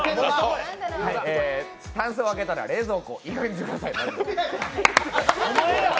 たんすを開けたら冷蔵庫いいかげんにしなさい！